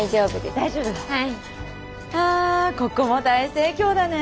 あここも大盛況だね。